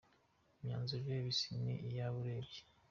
Imyanzuro ireba Isi ni iyabo urebye.